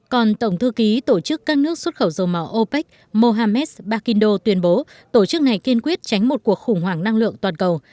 còn tổng thư ký tổ chức các nước xuất khẩu dầu mỏ opec mohamed bakindo tuyên bố tổ chức này kiên quyết tránh một cuộc khủng hoảng năng lượng toàn cầu